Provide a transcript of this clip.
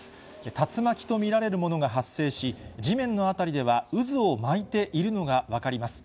竜巻と見られるものが発生し、地面の辺りでは渦を巻いているのが分かります。